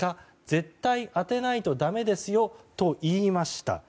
絶対当てないとだめですよと言いました。